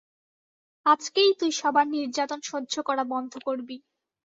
আজকেই তুই সবার নির্যাতন সহ্য করা বন্ধ করবি।